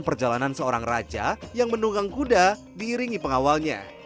perjalanan seorang raja yang menunggang kuda diiringi pengawalnya